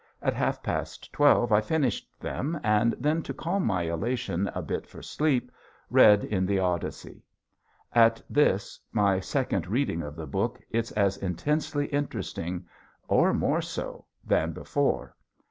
At half past twelve I finished them, and then to calm my elation a bit for sleep read in the "Odyssey." At this my second reading of the book it's as intensely interesting or more so than before.